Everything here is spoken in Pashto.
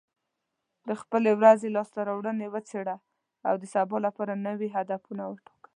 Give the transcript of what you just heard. د خپلې ورځې لاسته راوړنې وڅېړه، او د سبا لپاره نوي هدفونه وټاکه.